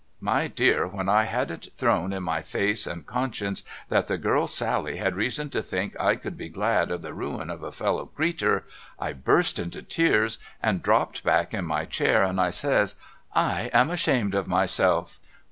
' My dear when I had it thrown in my face and conscience that the girl Sally had reason to think I could be glad of the ruin of a fellow creeter, I burst into tears and dropped back in my chair and I says ' I am ashamed of myself